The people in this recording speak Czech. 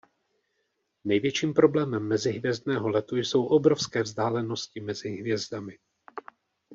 Největším problémem mezihvězdného letu jsou obrovské vzdálenosti mezi hvězdami.